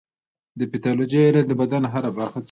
د پیتالوژي علم د بدن هره برخه څېړي.